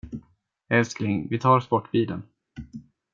Älskling, vi tar sportbilen.